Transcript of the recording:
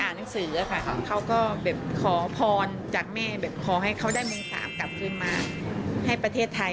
แล้วคุณแม่ก็น่ารักมากเลยเล่ามากินไปเลย